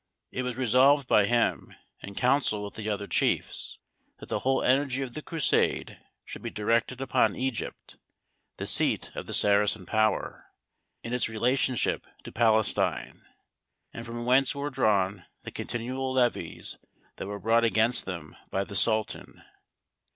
It was resolved by him, in council with the other chiefs, that the whole energy of the Crusade should be directed upon Egypt, the seat of the Saracen power in its relationship to Palestine, and from whence were drawn the continual levies that were brought against them by the sultan.